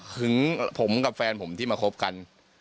ผมกับแฟนผมที่มาคบกัน